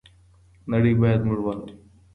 نړۍ بايد موږ واوري.